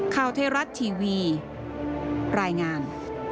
ข่าวเทราชทีวีรายงาน